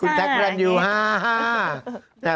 คุณแท็กกันอยู่ฮ่า